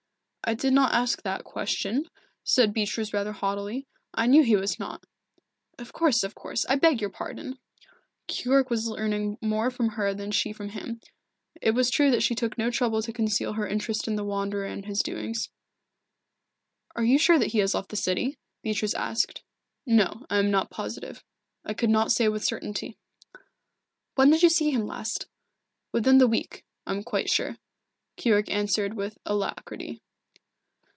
"I did not ask that question," said Beatrice rather haughtily. "I knew he was not." "Of course, of course. I beg your pardon!" Keyork was learning more from her than she from him. It was true that she took no trouble to conceal her interest in the Wanderer and his doings. "Are you sure that he has left the city?" Beatrice asked. "No, I am not positive. I could not say with certainty." "When did you see him last?" "Within the week, I am quite sure," Keyork answered with alacrity.